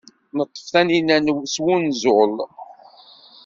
Neṭṭef tanila n wenẓul.